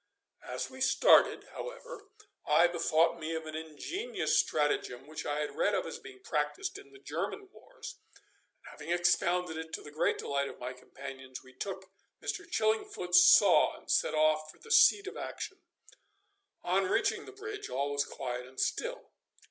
As we started, however, I bethought me of an ingenious stratagem which I had read of as being practised in the German wars, and having expounded it to the great delight of my companions, we took Mr. Chillingfoot's saw, and set off for the seat of action. On reaching the bridge all was quiet and still.